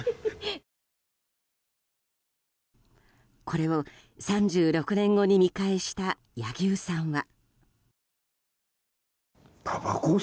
これを３６年後に見返した柳生さんは。